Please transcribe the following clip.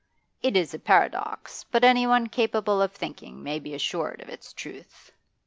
It is a paradox, but anyone capable of thinking may be assured of its truth.